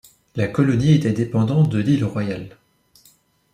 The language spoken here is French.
La colonie était dépendante de l'Île Royale.